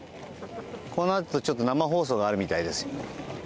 このあとちょっと生放送があるみたいです。